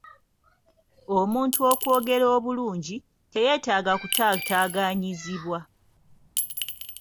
Omuntu okwogera obululngi, teyeetaaga kutaataaganyizibwa.